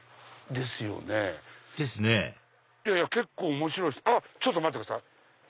ですね結構面白いですあっちょっと待ってください。